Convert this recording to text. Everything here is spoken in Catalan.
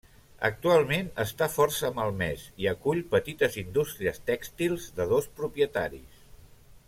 Actualment està força malmès i acull petites indústries tèxtils de dos propietaris.